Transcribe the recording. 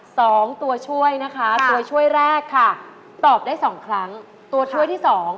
สองตัวช่วยนะคะตัวช่วยแรกค่ะตอบได้สองครั้งตัวช่วยที่สอง